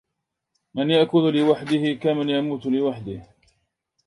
من يأكل لوحده كمن يموت لوحده.